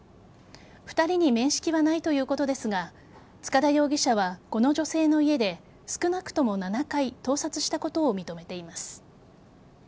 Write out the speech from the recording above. ２人に面識はないということですが塚田容疑者は、この女性の家で少なくとも７回盗撮したことを認めています。